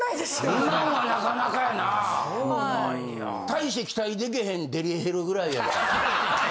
大して期待でけへんデリヘルぐらいや。